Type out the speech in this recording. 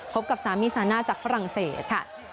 กับสามีซาน่าจากฝรั่งเศสค่ะ